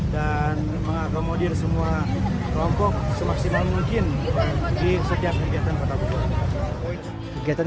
dan mengakomodir semua kelompok semaksimal mungkin di setiap kegiatan kota bogor kegiatan